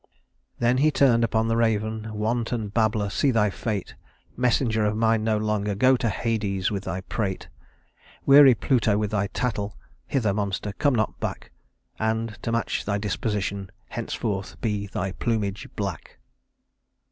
"Then he turned upon the Raven, 'Wanton babbler! see thy fate! Messenger of mine no longer, Go to Hades with thy prate! 'Weary Pluto with thy tattle! Hither, monster, come not back; And to match thy disposition Henceforth be thy plumage black.'"